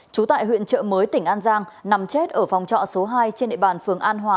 trú tại huyện trợ mới tỉnh an giang nằm chết ở phòng trọ số hai trên địa bàn phường an hòa